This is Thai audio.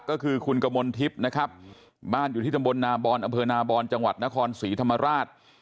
ก็คือคุณกมลทิพย์นะครับบ้านอยู่ที่ตำบลนาบอนอำเภอนาบอนจังหวัดนครศรีธรรมราช